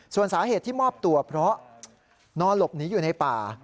ส่วนสาเหตุที่มอบตัวเพราะนอนหลบหนีอยู่ในป่า